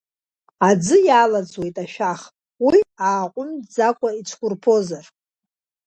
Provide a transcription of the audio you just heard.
Аӡы иалаӡуеит ашәах, уи ааҟәымҵӡакәа ицәқәырԥозар…